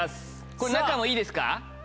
これ中もいいですか？